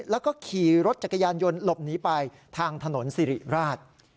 แล้วก็ขี่รถจักรยานยนต์หลบหนีไปทางถนนสิริราช